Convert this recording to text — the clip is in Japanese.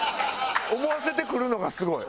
思わせてくるのがすごい。